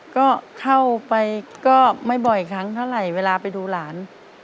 ก็เข้าไปก็ไม่บ่อยครั้งเท่าไหร่เวลาไปดูหลาน